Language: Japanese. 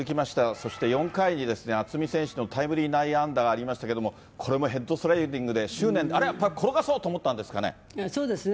そして４回に、渥美選手のタイムリー内野安打がありましたけれども、これもヘッドスライディングで執念の、あれやっぱり転がそうと思ったんですかね。